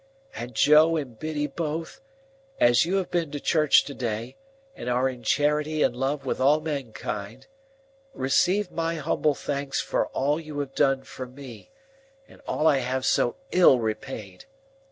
"And Joe and Biddy both, as you have been to church to day, and are in charity and love with all mankind, receive my humble thanks for all you have done for me, and all I have so ill repaid!